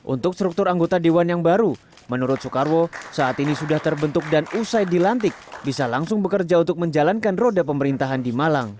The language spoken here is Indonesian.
untuk struktur anggota dewan yang baru menurut soekarwo saat ini sudah terbentuk dan usai dilantik bisa langsung bekerja untuk menjalankan roda pemerintahan di malang